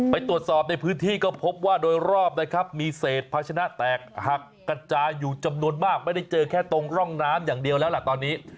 ไปตรวจสอบในพื้นที่ก็พบว่าโดยรอบนะครับมีเศษภาชนะแตกหักกระจายอยู่จำนวนมากไม่ได้เจอแค่ตรงร่องน้ำอย่างเดียวแล้วล่ะตอนนี้